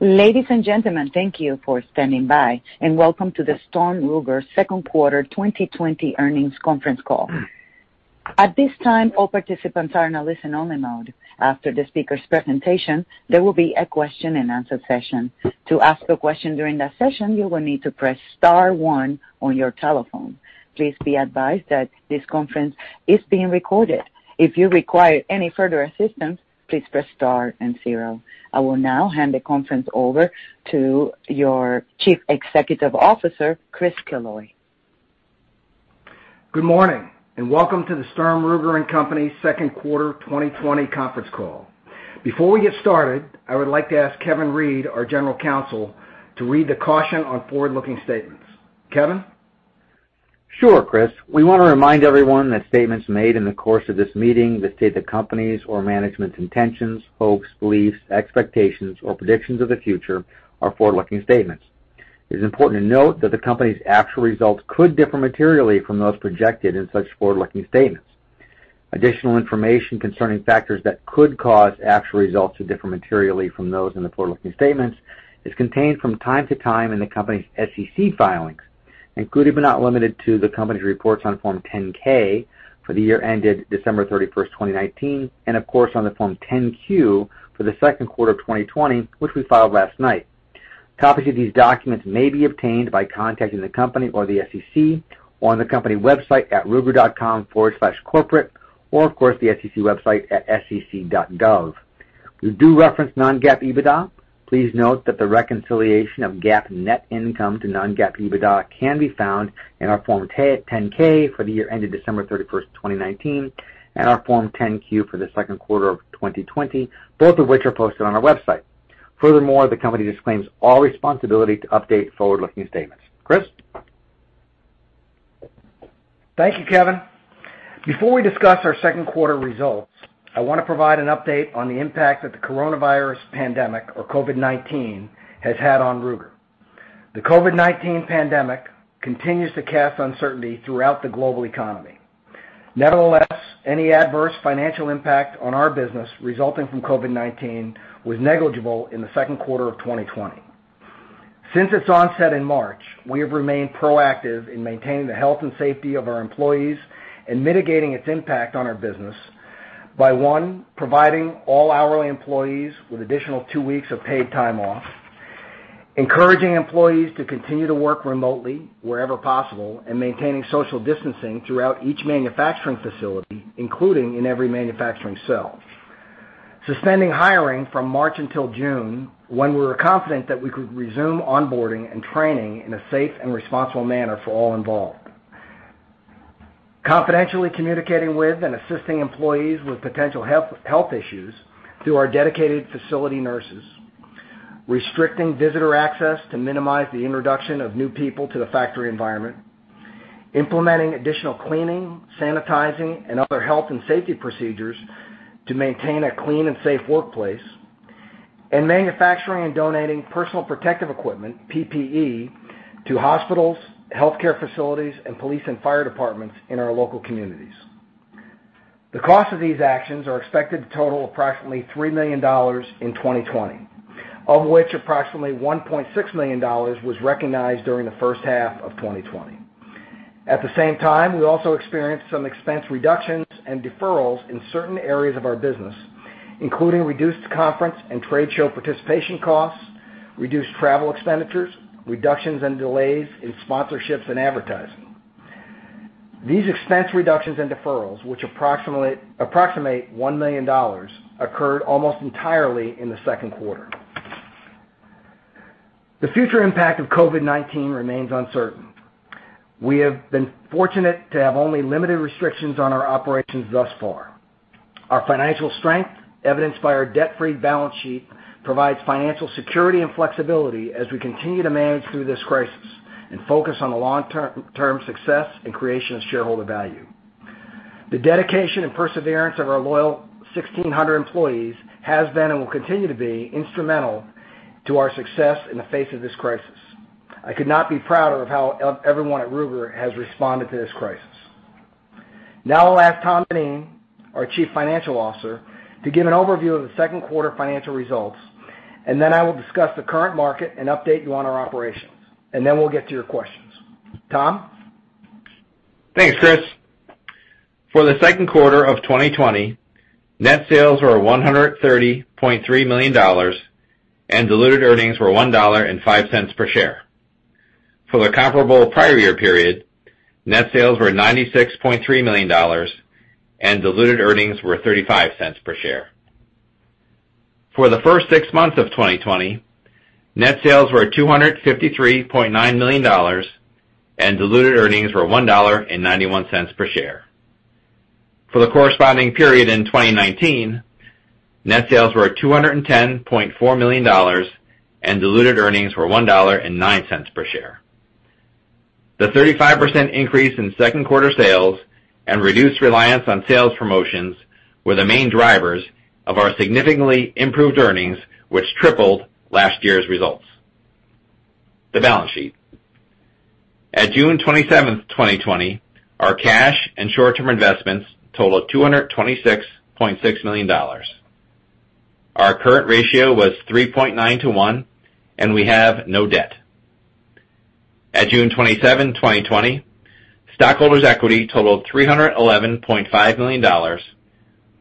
Ladies and gentlemen, thank you for standing by, and welcome to the Sturm Ruger Second Quarter 2020 Earnings Conference Call. At this time, all participants are in a listen-only mode. After the speaker's presentation, there will be a question and answer session. To ask a question during that session, you will need to press star one on your telephone. Please be advised that this conference is being recorded. If you require any further assistance, please press star and zero. I will now hand the conference over to your Chief Executive Officer, Chris Killoy. Good morning. Welcome to the Sturm, Ruger & Company Second Quarter 2020 Conference Call. Before we get started, I would like to ask Kevin Reid, our General Counsel, to read the caution on forward-looking statements. Kevin? Sure, Chris. We want to remind everyone that statements made in the course of this meeting that state the company's or management's intentions, hopes, beliefs, expectations, or predictions of the future are forward-looking statements. It is important to note that the company's actual results could differ materially from those projected in such forward-looking statements. Additional information concerning factors that could cause actual results to differ materially from those in the forward-looking statements is contained from time to time in the company's SEC filings, including, but not limited to, the company's reports on Form 10-K for the year ended December 31st, 2019, of course, on the Form 10-Q for the second quarter of 2020, which we filed last night. Copies of these documents may be obtained by contacting the company or the SEC on the company website at ruger.com/corporate, or of course, the SEC website at sec.gov. We do reference non-GAAP EBITDA. Please note that the reconciliation of GAAP net income to non-GAAP EBITDA can be found in our Form 10-K for the year ended December 31st, 2019, and our Form 10-Q for the second quarter of 2020, both of which are posted on our website. Furthermore, the company disclaims all responsibility to update forward-looking statements. Chris? Thank you, Kevin. Before we discuss our second quarter results, I want to provide an update on the impact that the coronavirus pandemic or COVID-19 has had on Ruger. The COVID-19 pandemic continues to cast uncertainty throughout the global economy. Nevertheless, any adverse financial impact on our business resulting from COVID-19 was negligible in the second quarter of 2020. Since its onset in March, we have remained proactive in maintaining the health and safety of our employees and mitigating its impact on our business by, one, providing all hourly employees with additional two weeks of paid time off, encouraging employees to continue to work remotely wherever possible, and maintaining social distancing throughout each manufacturing facility, including in every manufacturing cell, suspending hiring from March until June, when we were confident that we could resume onboarding and training in a safe and responsible manner for all involved. Confidentially communicating with and assisting employees with potential health issues through our dedicated facility nurses. Restricting visitor access to minimize the introduction of new people to the factory environment. Implementing additional cleaning, sanitizing, and other health and safety procedures to maintain a clean and safe workplace. Manufacturing and donating personal protective equipment, PPE, to hospitals, healthcare facilities, and police and fire departments in our local communities. The cost of these actions are expected to total approximately $3 million in 2020, of which approximately $1.6 million was recognized during the first half of 2020. At the same time, we also experienced some expense reductions and deferrals in certain areas of our business, including reduced conference and trade show participation costs, reduced travel expenditures, reductions and delays in sponsorships and advertising. These expense reductions and deferrals, which approximate $1 million, occurred almost entirely in the second quarter. The future impact of COVID-19 remains uncertain. We have been fortunate to have only limited restrictions on our operations thus far. Our financial strength, evidenced by our debt-free balance sheet, provides financial security and flexibility as we continue to manage through this crisis and focus on the long-term success and creation of shareholder value. The dedication and perseverance of our loyal 1,600 employees has been and will continue to be instrumental to our success in the face of this crisis. I could not be prouder of how everyone at Ruger has responded to this crisis. I'll ask Tom Dineen, our Chief Financial Officer, to give an overview of the second quarter financial results, then I will discuss the current market and update you on our operations. Then we'll get to your questions. Tom? Thanks, Chris. For the second quarter of 2020, net sales were $130.3 million, and diluted earnings were $1.05 per share. For the comparable prior year period, net sales were $96.3 million, and diluted earnings were $0.35 per share. For the first six months of 2020, net sales were $253.9 million, and diluted earnings were $1.91 per share. For the corresponding period in 2019, net sales were $210.4 million, and diluted earnings were $1.09 per share. The 35% increase in second quarter sales and reduced reliance on sales promotions were the main drivers of our significantly improved earnings, which tripled last year's results. The balance sheet. At June 27th, 2020, our cash and short-term investments total of $226.6 million. Our current ratio was 3.9:1, and we have no debt. At June 27, 2020, stockholders' equity totaled $311.5 million,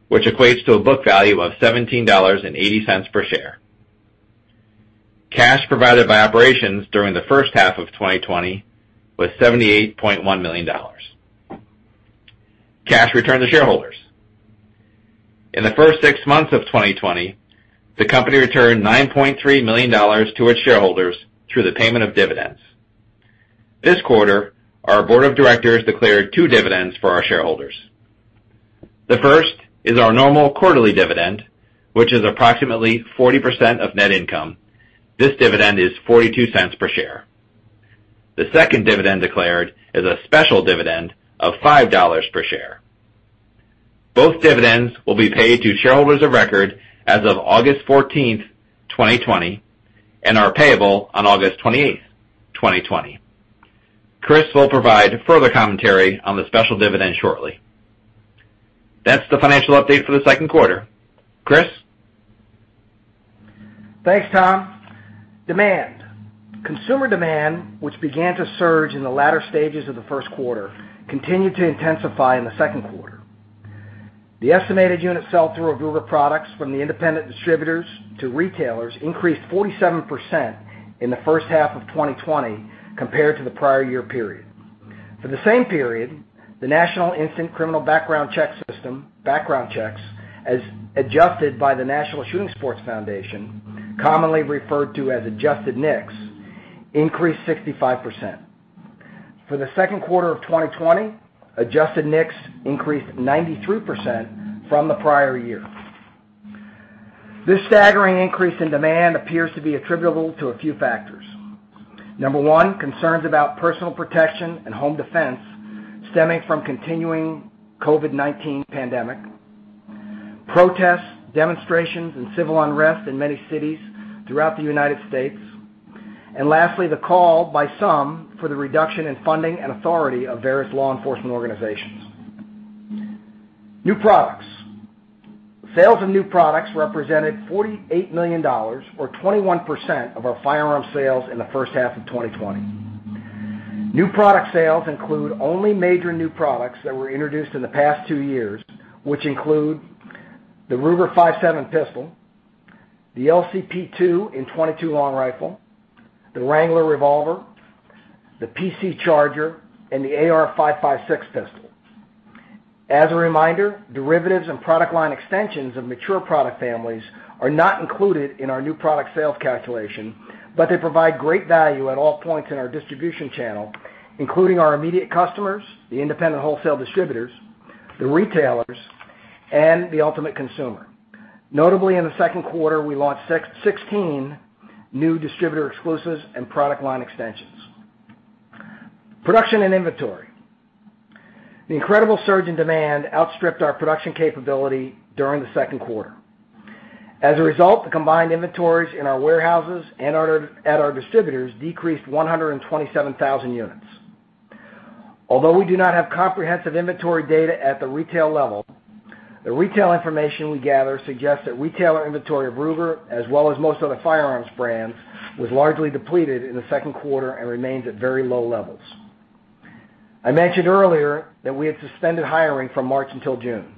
which equates to a book value of $17.80 per share. Cash provided by operations during the first half of 2020 was $78.1 million. Cash returned to shareholders. In the first six months of 2020, the company returned $9.3 million to its shareholders through the payment of dividends. This quarter, our board of directors declared two dividends for our shareholders. The first is our normal quarterly dividend, which is approximately 40% of net income. This dividend is $0.42 per share. The second dividend declared is a special dividend of $5 per share. Both dividends will be paid to shareholders of record as of August 14th, 2020, and are payable on August 28th, 2020. Chris will provide further commentary on the special dividend shortly. That's the financial update for the second quarter. Chris? Thanks, Tom. Demand. Consumer demand, which began to surge in the latter stages of the first quarter, continued to intensify in the second quarter. The estimated unit sell-through of Ruger products from the independent distributors to retailers increased 47% in the first half of 2020 compared to the prior year period. For the same period, the National Instant Criminal Background Check System, background checks, as adjusted by the National Shooting Sports Foundation, commonly referred to as adjusted NICS, increased 65%. For the second quarter of 2020, adjusted NICS increased 93% from the prior year. This staggering increase in demand appears to be attributable to a few factors. Number one, concerns about personal protection and home defense stemming from continuing COVID-19 pandemic. Protests, demonstrations, and civil unrest in many cities throughout the U.S. Lastly, the call by some for the reduction in funding and authority of various law enforcement organizations. New products. Sales of new products represented $48 million, or 21% of our firearm sales in the first half of 2020. New product sales include only major new products that were introduced in the past two years, which include the Ruger-57 pistol, the LCP II in .22 Long Rifle, the Wrangler revolver, the PC Charger, and the AR-556 pistol. As a reminder, derivatives and product line extensions of mature product families are not included in our new product sales calculation, but they provide great value at all points in our distribution channel, including our immediate customers, the independent wholesale distributors, the retailers, and the ultimate consumer. Notably, in the second quarter, we launched 16 new distributor exclusives and product line extensions. Production and inventory. The incredible surge in demand outstripped our production capability during the second quarter. As a result, the combined inventories in our warehouses and at our distributors decreased 127,000 units. Although we do not have comprehensive inventory data at the retail level, the retail information we gather suggests that retailer inventory of Ruger, as well as most other firearms brands, was largely depleted in the second quarter and remains at very low levels. I mentioned earlier that we had suspended hiring from March until June.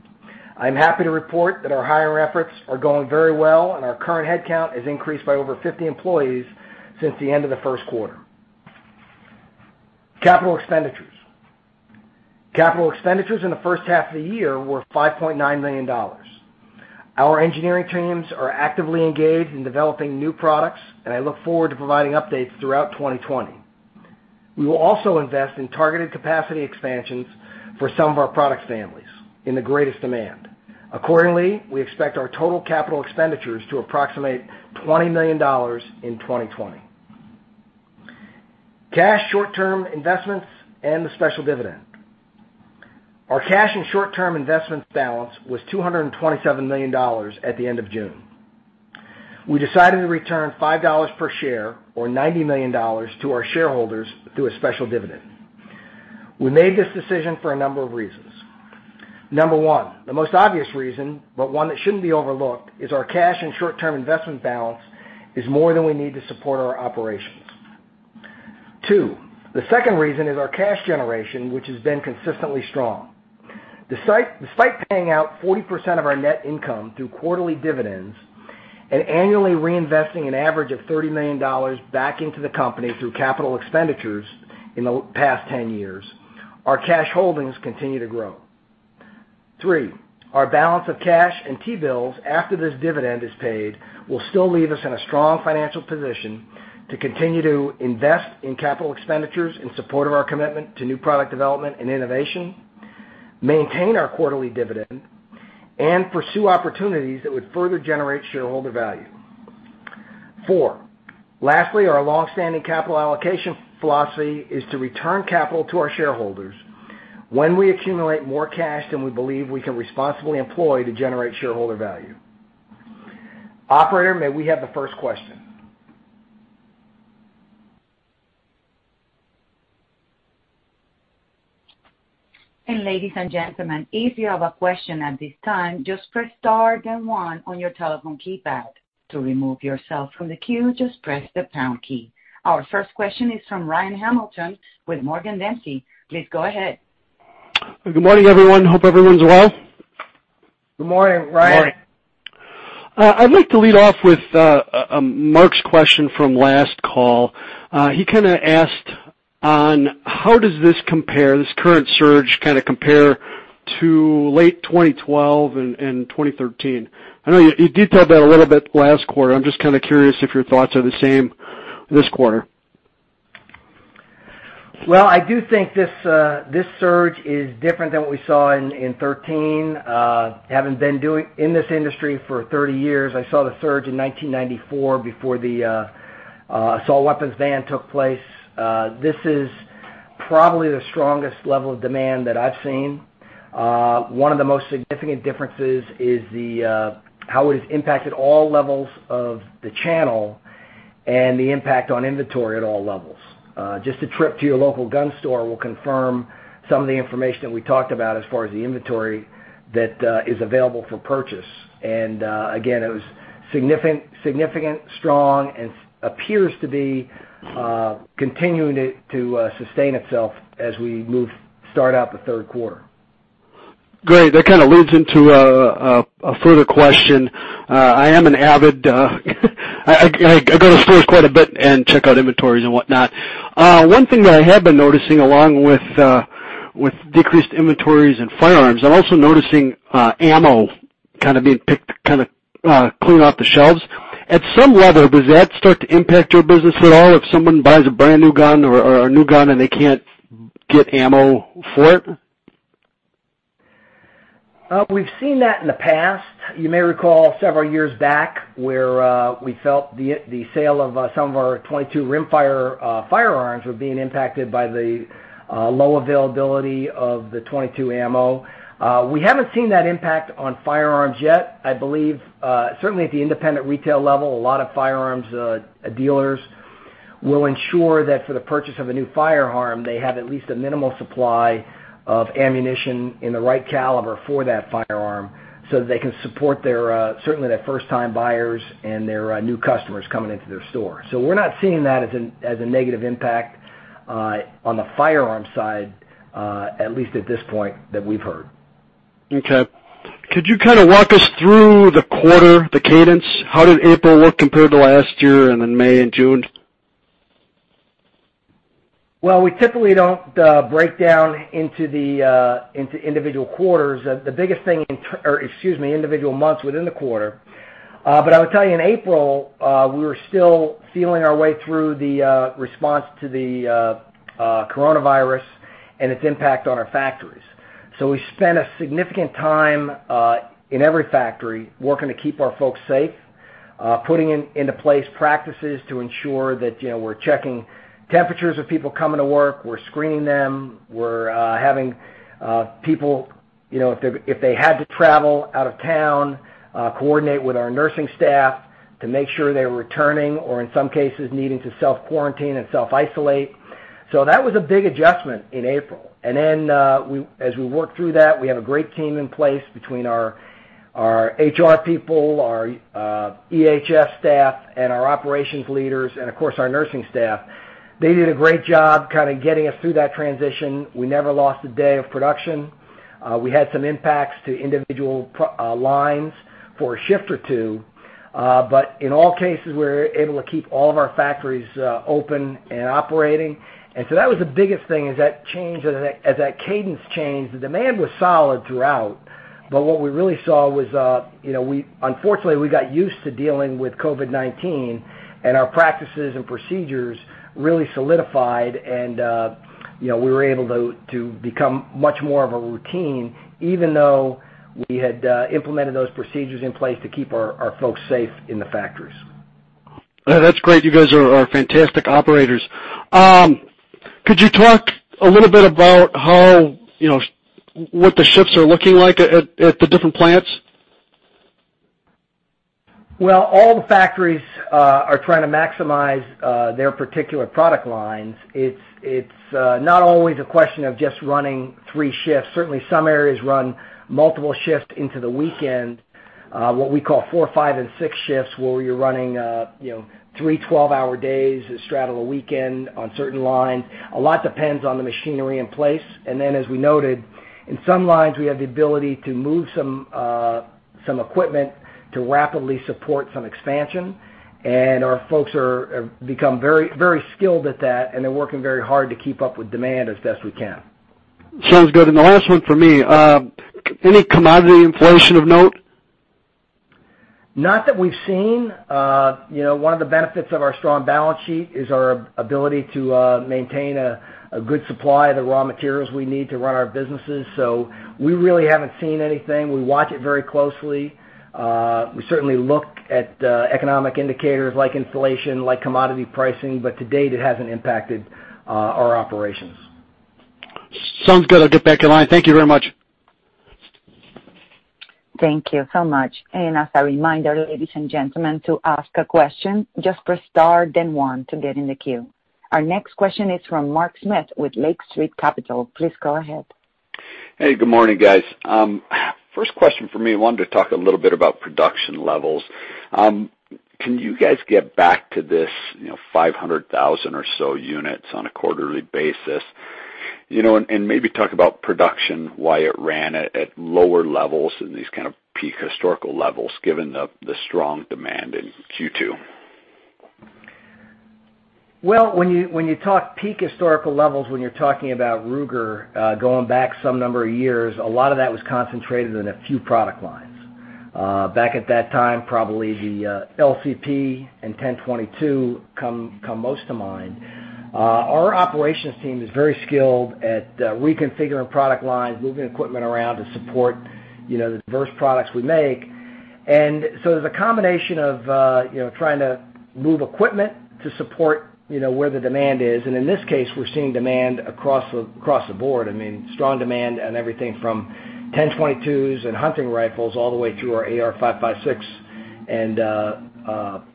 I'm happy to report that our hiring efforts are going very well, and our current headcount has increased by over 50 employees since the end of the first quarter. Capital expenditures. Capital expenditures in the first half of the year were $5.9 million. Our engineering teams are actively engaged in developing new products, and I look forward to providing updates throughout 2020. We will also invest in targeted capacity expansions for some of our product families in the greatest demand. Accordingly, we expect our total capital expenditures to approximate $20 million in 2020. Cash, short-term investments, and the special dividend. Our cash and short-term investments balance was $227 million at the end of June. We decided to return $5 per share, or $90 million, to our shareholders through a special dividend. We made this decision for a number of reasons. Number one, the most obvious reason, but one that shouldn't be overlooked, is our cash and short-term investment balance is more than we need to support our operations. Two, the second reason is our cash generation, which has been consistently strong. Despite paying out 40% of our net income through quarterly dividends and annually reinvesting an average of $30 million back into the company through capital expenditures in the past 10 years, our cash holdings continue to grow. Three, our balance of cash and T-bills after this dividend is paid will still leave us in a strong financial position to continue to invest in capital expenditures in support of our commitment to new product development and innovation, maintain our quarterly dividend, and pursue opportunities that would further generate shareholder value. Four, lastly, our longstanding capital allocation philosophy is to return capital to our shareholders when we accumulate more cash than we believe we can responsibly employ to generate shareholder value. Operator, may we have the first question? Ladies and gentlemen, if you have a question at this time, just press star then one on your telephone keypad. To remove yourself from the queue, just press the pound key. Our first question is from Ryan Hamilton with Morgan Dempsey. Please go ahead. Good morning, everyone. Hope everyone's well. Good morning, Ryan. Good morning. I'd like to lead off with Mark's question from last call. He kind of asked on how does this compare, this current surge compare to late 2012 and 2013? I know you detailed that a little bit last quarter. I'm just kind of curious if your thoughts are the same this quarter. Well, I do think this surge is different than what we saw in 2013. Having been in this industry for 30 years, I saw the surge in 1994 before the assault weapons ban took place. This is probably the strongest level of demand that I've seen. One of the most significant differences is how it has impacted all levels of the channel and the impact on inventory at all levels. Just a trip to your local gun store will confirm some of the information that we talked about as far as the inventory that is available for purchase. Again, it was significant, strong, and appears to be continuing to sustain itself as we start out the third quarter. Great. That kind of leads into a further question. I go to stores quite a bit and check out inventories and whatnot. One thing that I have been noticing, along with decreased inventories in firearms, I'm also noticing ammo kind of being picked clean off the shelves. At some level, does that start to impact your business at all if someone buys a brand-new gun or a new gun and they can't get ammo for it? We've seen that in the past. You may recall several years back, where we felt the sale of some of our .22 rimfire firearms were being impacted by the low availability of the .22 ammo. We haven't seen that impact on firearms yet. I believe, certainly at the independent retail level, a lot of firearms dealers will ensure that for the purchase of a new firearm, they have at least a minimal supply of ammunition in the right caliber for that firearm so that they can support certainly their first-time buyers and their new customers coming into their store. We're not seeing that as a negative impact on the firearm side, at least at this point that we've heard. Okay. Could you kind of walk us through the quarter, the cadence? How did April look compared to last year, and then May and June? We typically don't break down into individual quarters. The biggest thing individual months within the quarter. I would tell you, in April, we were still feeling our way through the response to the coronavirus and its impact on our factories. We spent a significant time, in every factory, working to keep our folks safe, putting into place practices to ensure that we're checking temperatures of people coming to work, we're screening them, we're having people, if they had to travel out of town, coordinate with our nursing staff to make sure they were returning or in some cases, needing to self-quarantine and self-isolate. That was a big adjustment in April. Then, as we worked through that, we have a great team in place between our HR people, our EHS staff, and our operations leaders, and of course, our nursing staff. They did a great job kind of getting us through that transition. We never lost a day of production. We had some impacts to individual lines for a shift or two. In all cases, we were able to keep all of our factories open and operating. That was the biggest thing, is that change, as that cadence changed, the demand was solid throughout. What we really saw was, unfortunately, we got used to dealing with COVID-19, and our practices and procedures really solidified and we were able to become much more of a routine, even though we had implemented those procedures in place to keep our folks safe in the factories. That's great. You guys are fantastic operators. Could you talk a little bit about what the shifts are looking like at the different plants? Well, all the factories are trying to maximize their particular product lines. It's not always a question of just running three shifts. Certainly, some areas run multiple shifts into the weekend, what we call four, five, and six shifts, where you're running three 12-hour days that straddle a weekend on certain lines. A lot depends on the machinery in place. As we noted, in some lines, we have the ability to move some equipment to rapidly support some expansion. Our folks have become very skilled at that, and they're working very hard to keep up with demand as best we can. Sounds good. The last one from me. Any commodity inflation of note? Not that we've seen. One of the benefits of our strong balance sheet is our ability to maintain a good supply of the raw materials we need to run our businesses. We really haven't seen anything. We watch it very closely. We certainly look at economic indicators like inflation, like commodity pricing, to date, it hasn't impacted our operations. Sounds good. I'll get back in line. Thank you very much. Thank you so much. As a reminder, ladies and gentlemen, to ask a question, just press star then one to get in the queue. Our next question is from Mark Smith with Lake Street Capital. Please go ahead. Hey, good morning, guys. I wanted to talk a little bit about production levels. Can you guys get back to this 500,000 or so units on a quarterly basis? Maybe talk about production, why it ran at lower levels in these kind of peak historical levels, given the strong demand in Q2. When you talk peak historical levels, when you're talking about Ruger, going back some number of years, a lot of that was concentrated in a few product lines. Back at that time, probably the LCP and 10/22 come most to mind. Our operations team is very skilled at reconfiguring product lines, moving equipment around to support the diverse products we make. There's a combination of trying to move equipment to support where the demand is. In this case, we're seeing demand across the board. I mean, strong demand on everything from 10/22s and hunting rifles all the way through our AR-556 and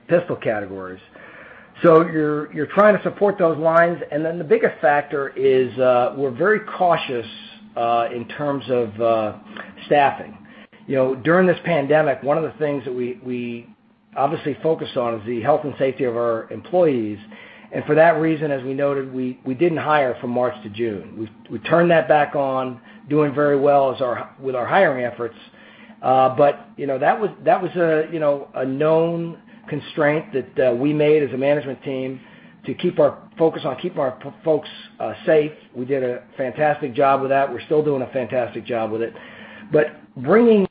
pistol categories. You're trying to support those lines, and then the biggest factor is, we're very cautious in terms of staffing. During this pandemic, one of the things that we obviously focused on is the health and safety of our employees. For that reason, as we noted, we didn't hire from March to June. We turned that back on, doing very well with our hiring efforts. That was a known constraint that we made as a management team to keep our focus on keeping our folks safe. We did a fantastic job with that. We're still doing a fantastic job with it. Bringing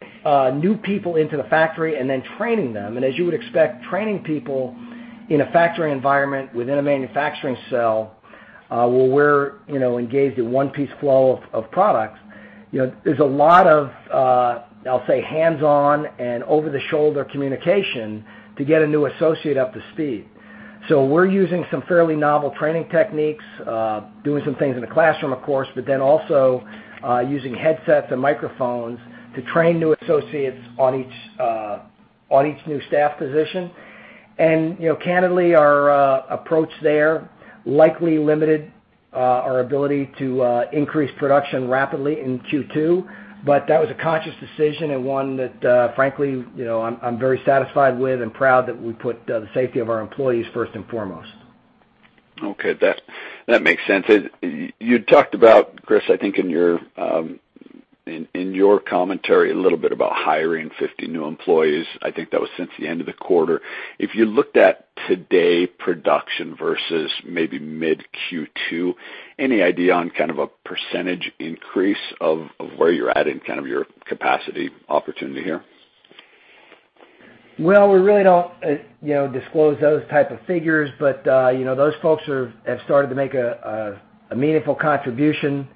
new people into the factory and then training them, and as you would expect, training people in a factory environment within a manufacturing cell, where we're engaged in one-piece flow of products, there's a lot of, I'll say, hands-on and over-the-shoulder communication to get a new associate up to speed. We're using some fairly novel training techniques, doing some things in the classroom, of course, but then also using headsets and microphones to train new associates on each new staff position. Candidly, our approach there likely limited our ability to increase production rapidly in Q2. That was a conscious decision and one that, frankly, I'm very satisfied with and proud that we put the safety of our employees first and foremost. Okay. That makes sense. You talked about, Chris, I think in your commentary a little bit about hiring 50 new employees. I think that was since the end of the quarter. If you looked at today production versus maybe mid Q2, any idea on kind of a percentage increase of where you're at in kind of your capacity opportunity here? Well, we really don't disclose those type of figures, but those folks have started to make a meaningful contribution.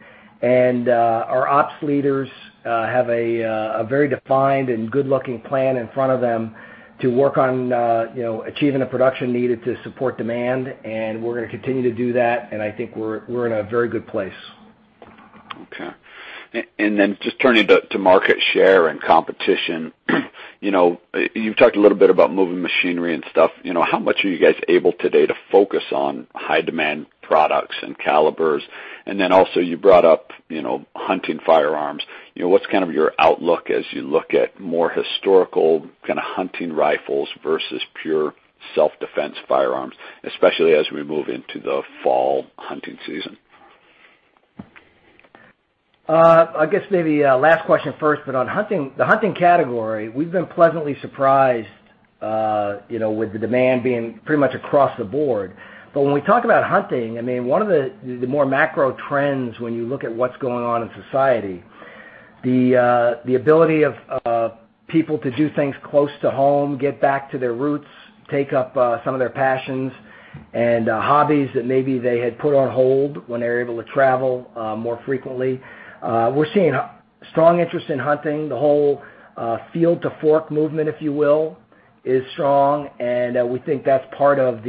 Our ops leaders have a very defined and good-looking plan in front of them to work on achieving the production needed to support demand. We're going to continue to do that. I think we're in a very good place. Okay. Just turning to market share and competition. You've talked a little bit about moving machinery and stuff. How much are you guys able today to focus on high-demand products and calibers? Also you brought up hunting firearms. What's kind of your outlook as you look at more historical kind of hunting rifles versus pure self-defense firearms, especially as we move into the fall hunting season? I guess maybe last question first, but on the hunting category, we've been pleasantly surprised with the demand being pretty much across the board. When we talk about hunting, one of the more macro trends when you look at what's going on in society, the ability of people to do things close to home, get back to their roots, take up some of their passions and hobbies that maybe they had put on hold when they were able to travel more frequently. We're seeing strong interest in hunting. The whole field-to-fork movement, if you will, is strong, and we think that's part of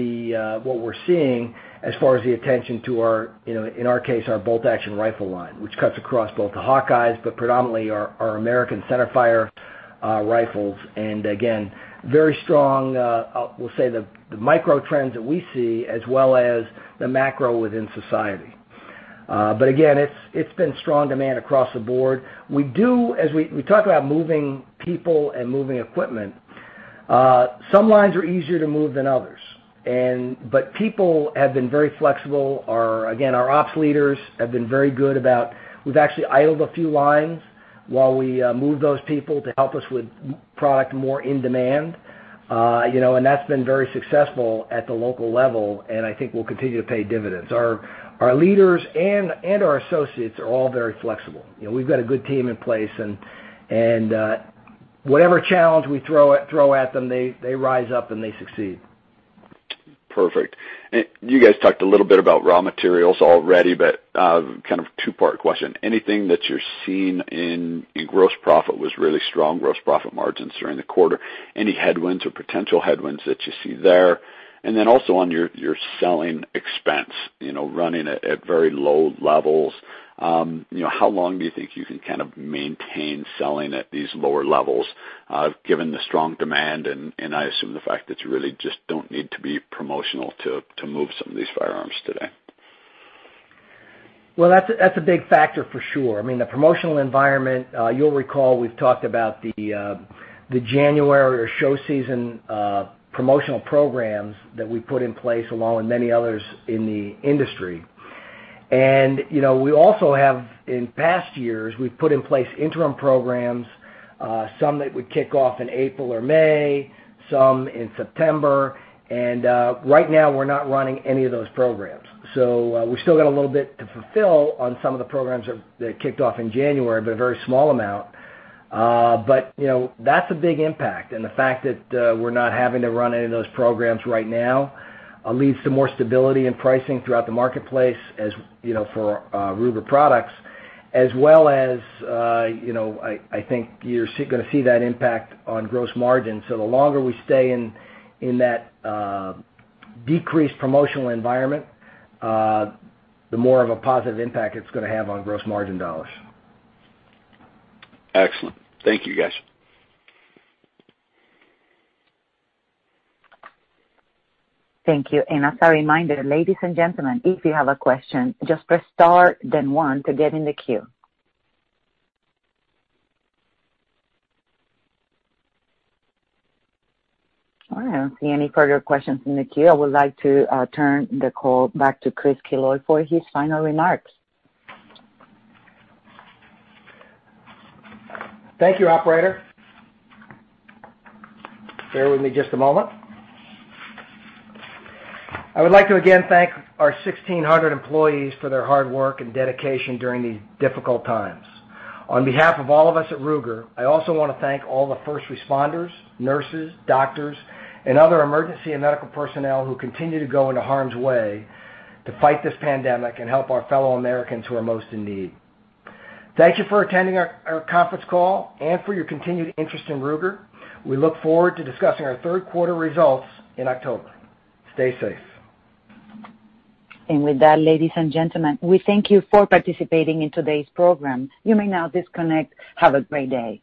what we're seeing as far as the attention to our, in our case, our bolt-action rifle line, which cuts across both the Hawkeye, but predominantly our American Centerfire rifles. Again, very strong, we'll say the micro trends that we see as well as the macro within society. Again, it's been strong demand across the board. We talk about moving people and moving equipment. Some lines are easier to move than others. People have been very flexible. Again, our ops leaders have been very good. We've actually idled a few lines while we move those people to help us with product more in demand. That's been very successful at the local level, and I think will continue to pay dividends. Our leaders and our associates are all very flexible. We've got a good team in place, and whatever challenge we throw at them, they rise up, and they succeed. Perfect. You guys talked a little bit about raw materials already, kind of a two-part question. Anything that you're seeing in gross profit was really strong, gross profit margins during the quarter. Any headwinds or potential headwinds that you see there? Also on your selling expense, running at very low levels. How long do you think you can kind of maintain selling at these lower levels given the strong demand, and I assume the fact that you really just don't need to be promotional to move some of these firearms today? Well, that's a big factor for sure. I mean, the promotional environment, you'll recall, we've talked about the January or show season promotional programs that we put in place, along with many others in the industry. We also have, in past years, we've put in place interim programs, some that would kick off in April or May, some in September. Right now, we're not running any of those programs. We've still got a little bit to fulfill on some of the programs that kicked off in January, but a very small amount. That's a big impact. The fact that we're not having to run any of those programs right now leads to more stability in pricing throughout the marketplace for Ruger products, as well as I think you're going to see that impact on gross margin. The longer we stay in that decreased promotional environment, the more of a positive impact it's going to have on gross margin dollars. Excellent. Thank you, guys. Thank you. As a reminder, ladies and gentlemen, if you have a question, just press star then one to get in the queue. All right, I don't see any further questions in the queue. I would like to turn the call back to Chris Killoy for his final remarks. Thank you, operator. Bear with me just a moment. I would like to again thank our 1,600 employees for their hard work and dedication during these difficult times. On behalf of all of us at Ruger, I also want to thank all the first responders, nurses, doctors, and other emergency and medical personnel who continue to go into harm's way to fight this pandemic and help our fellow Americans who are most in need. Thank you for attending our conference call and for your continued interest in Ruger. We look forward to discussing our third quarter results in October. Stay safe. With that, ladies and gentlemen, we thank you for participating in today's program. You may now disconnect. Have a great day.